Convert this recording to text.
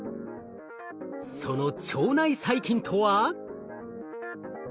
その腸内細菌とは。